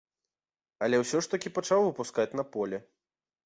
Але ўсё ж такі пачаў выпускаць на поле.